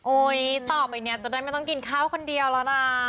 ต่อไปเนี่ยจะได้ไม่ต้องกินข้าวคนเดียวแล้วนะ